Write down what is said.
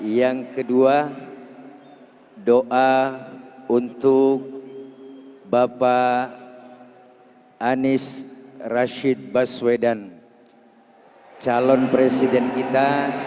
yang kedua doa untuk bapak anies rashid baswedan calon presiden kita